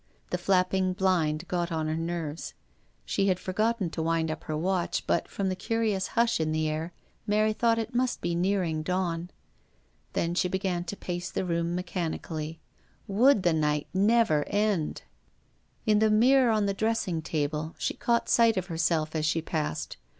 The flapping blind got on her nerves. She had forgotten to wind up her watch, but, from the curious hush in the air, Mary thought it must be nearing dawn. Then she began to pace the THE WOMAN IN THE GLASS. 313 room mechanically. Would the night never end? In the mirror on the dressing table she caught sight of herself as she passed.